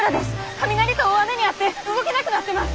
雷と大雨に遭って動けなくなってます。